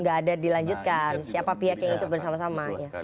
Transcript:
tidak ada dilanjutkan siapa pihak yang bersama sama